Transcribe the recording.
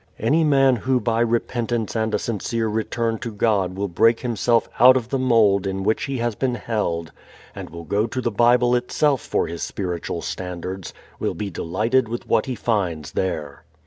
Any man who by repentance and a sincere return to God will break himself out of the mold in which he has been held, and will go to the Bible itself for his spiritual standards, will be delighted with what he finds there.